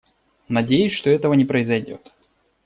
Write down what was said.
Надеюсь, что этого не произойдет.